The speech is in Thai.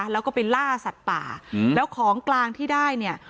แล้วก็ไปล่าสัตว์ป่าแล้วของกลางที่ได้เนี่ย